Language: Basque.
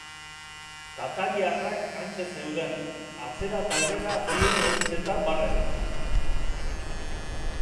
Tatariarrak hantxe zeuden, atzera eta aurrera bi ur ertzetan barrena.